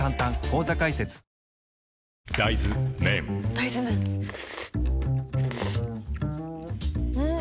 大豆麺ん？